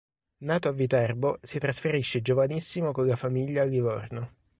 Nato a Viterbo, si trasferisce giovanissimo con la famiglia a Livorno.